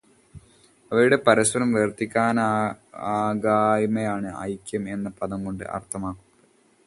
അവയുടെ പരസ്പരം വേർതിരിക്കാനകായ്മയാണ് ഐക്യം എന്ന പദം കൊണ്ട് അർഥമാക്കുന്നത്.